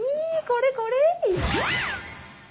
これこれ！